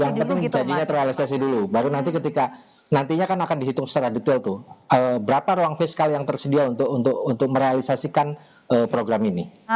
yang penting jadinya terrealisasi dulu baru nanti ketika nantinya akan dihitung secara detail tuh berapa ruang fiskal yang tersedia untuk merealisasikan program ini